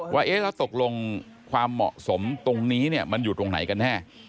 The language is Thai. ว่าแล้วตกลงความเหมาะสมตรงนี้มันอยู่ตรงไหนกันแน่